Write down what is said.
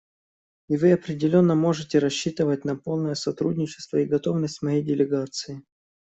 И вы определенно можете рассчитывать на полное сотрудничество и готовность моей делегации.